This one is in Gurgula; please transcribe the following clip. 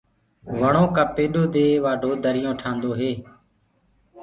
وڻو ڪآ پيڏو دي وآڍو دريونٚ ٺآندو هيٚ۔